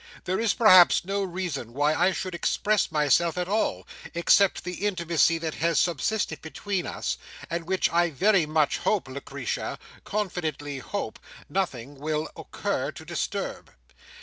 There is, perhaps, no reason why I should express myself at all, except the intimacy that has subsisted between us, and which I very much hope, Lucretia—confidently hope—nothing will occur to disturb.